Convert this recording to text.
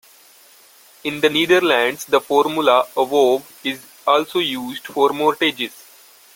In the Netherlands the formula above is also used for mortgages.